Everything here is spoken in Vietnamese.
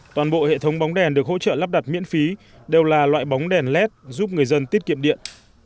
toàn bộ hệ thống bóng đèn được hỗ trợ lắp đặt miễn phí đều là loại bóng đèn led giúp người dân tiết kiệm điện